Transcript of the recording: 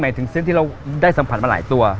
หมายถึงเซนต์ที่เราได้สัมผัสมาหลายตัว